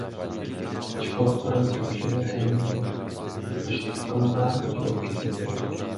Уу калдыктарын көп учурда сел менен ташкындар жууп кетип турат.